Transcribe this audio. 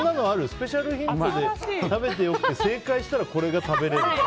スペシャルヒントで食べて良くて正解したらこれが食べれるって。